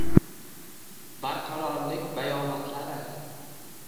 Barqarorlik bayonotlari